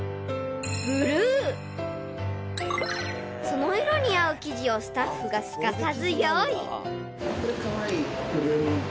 ［その色に合う生地をスタッフがすかさず用意］